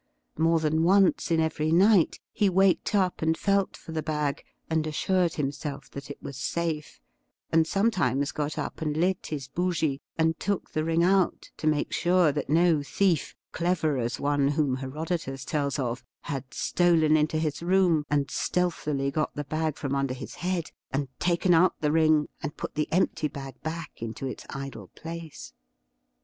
More than once in every night he waked up and felt for the bag and assured himself that it was safe, and sometimes got up and lit his ' bougie,' and took the ring out to make sure that no thief, clever as one whom Herodotus tells of, had stolen into his room, and stealthily got the bag from under his head and taken out the ring, and put the empty bag back into its idle place.